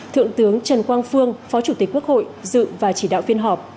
thượng tướng trần quang phương phó chủ tịch quốc hội dự và chỉ đạo phiên họp